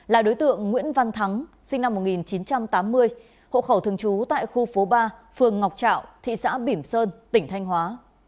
là đối tượng nguyễn văn thắng sinh năm một nghìn chín trăm tám mươi hộ khẩu thường trú tại khu phố ba phường ngọc trạo thị xã bỉm sơn tỉnh thanh hóa